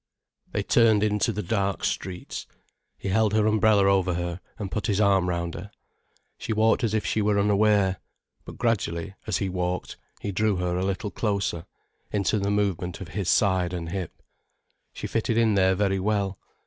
They turned into the dark streets. He held her umbrella over her, and put his arm round her. She walked as if she were unaware. But gradually, as he walked, he drew her a little closer, into the movement of his side and hip. She fitted in there very well.